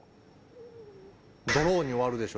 ドローに終わるでしょ？